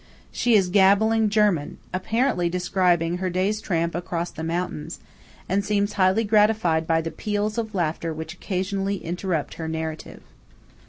She is gabbling German–apparently describing her day's tramp across the mountains–and seems highly gratified by the peals of laughter which occasionally interrupt her narrative.